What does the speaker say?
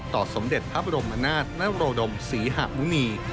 ต่อสมเด็จพระบรมนาศน์นโรดมศรีหาวุณี